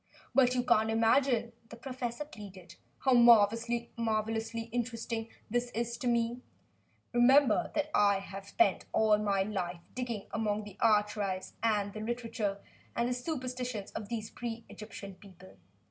"But you can't imagine," the professor pleaded, "how marvelously interesting this is to me. Remember that I have spent all my life digging about among the archives and the literature and the superstitions of these pre Egyptian peoples.